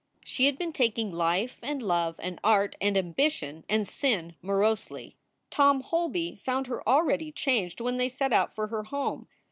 She had been taking life and love and art and ambition and sin morosely. Tom Holby found her already changed when they set out for her home.